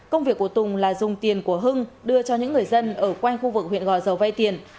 công việc của tùng là dùng tiền của hưng đưa cho những người dân ở quanh khu vực huyện gò dầu vay tiền